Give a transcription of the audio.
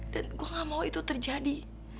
dan gue gak mau itu terjadi